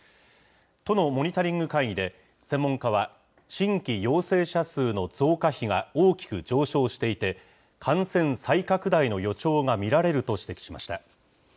都のモニタリング会議で、専門家は、新規陽性者数の増加比が大きく上昇していて、感染再拡大の予兆が見られると指摘しました。